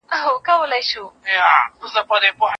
ایا دا د لمانځه دوهم رکعت و که دریم یې پیل کړی دی؟